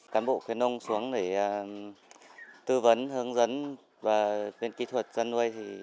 cán bộ khuyến nông xuống để tư vấn hướng dẫn và khuyến kỹ thuật chăn nuôi